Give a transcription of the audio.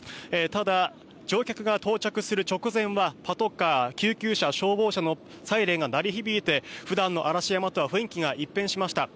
ただ、乗客が到着する直前はパトカー、救急車消防車のサイレンが鳴り響いて普段の嵐山とは雰囲気が一変しました。